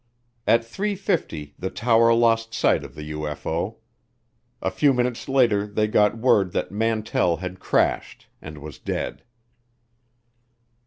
At three fifty the tower lost sight of the UFO. A few minutes later they got word that Mantell had crashed and was dead.